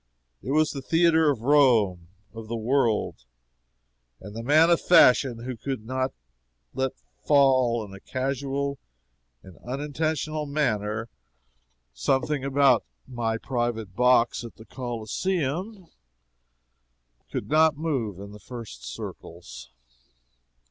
It was the theatre of Rome of the world and the man of fashion who could not let fall in a casual and unintentional manner something about "my private box at the Coliseum" could not move in the first circles.